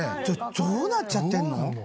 どうなっちゃってんの？